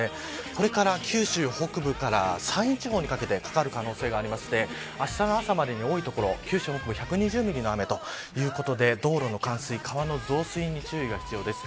これから九州北部から山陰地方にかけてかかる可能性がありましてあしたの朝までに多い所九州北部１２０ミリの雨ということで道路の冠水川の増水に注意が必要です。